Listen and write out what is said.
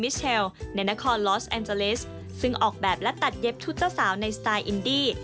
เชลในนครลอสแอนเจลิสซึ่งออกแบบและตัดเย็บชุดเจ้าสาวในสไตล์อินดี้